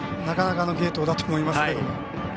なかなかの芸当だと思いますが。